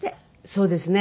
そうですね。